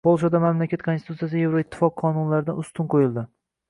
Polshada mamlakat konstitutsiyasi Yevroittifoq qonunlaridan ustun qo‘yildi